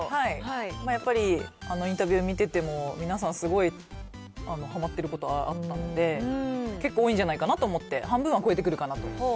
やっぱりインタビュー見てても、皆さんすごいはまってることあったので、結構多いんじゃないかなと思って、半分は超えてくるかなと。